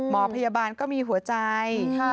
หมอพยาบาลก็มีหัวใจ